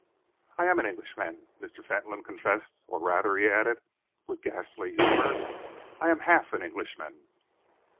"I am an Englishman," Mr. Fentolin confessed "or rather," he added, with ghastly humour, "I am half an Englishman."